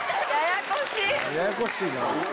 ややこしいな。